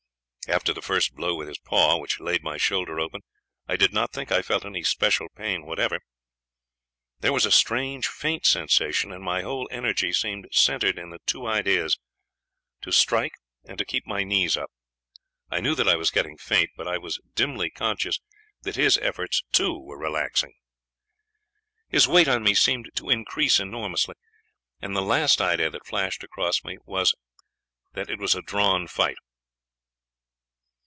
After the first blow with his paw which laid my shoulder open, I do not think I felt any special pain whatever. There was a strange faint sensation, and my whole energy seemed centered in the two ideas to strike and to keep my knees up. I knew that I was getting faint, but I was dimly conscious that his efforts, too, were relaxing. His weight on me seemed to increase enormously, and the last idea that flashed across me was that it was a drawn fight.